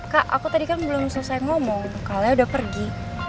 kak aku tadi kan belum selesai ngomong kalian udah pergi